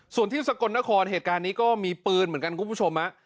ส่วนที่สกลนครเหตุการณ์นี้ก็มีปืนเหมือนกันคุณผู้ชม